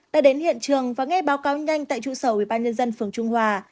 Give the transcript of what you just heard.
đã đến hiện trường và nghe báo cáo nhanh tại trụ sở ubnd phường trung hòa